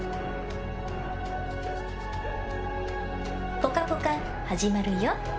「ぽかぽか」始まるよ。